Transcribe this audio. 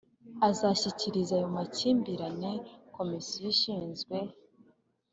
azashyikiriza ayo makimbirane Komisiyo ishinzwe